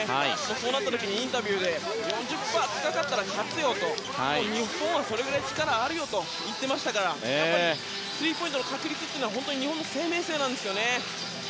そうなった時にインタビューで４０％近かったら勝つよと日本はそれぐらい力あるよと言っていましたからスリーポイントの確率は日本の生命線なんですよね。